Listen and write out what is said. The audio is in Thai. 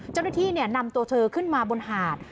เจ้าหน้าที่นำตัวเธอขึ้นมาบนหาด